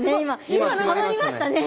今極まりましたね！